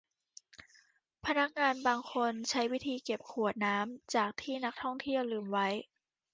พนักงานบางคนใช้วิธีเก็บขวดน้ำจากที่นักท่องเที่ยวลืมไว้